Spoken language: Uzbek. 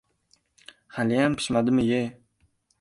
— Haliyam pishmadimi-ye?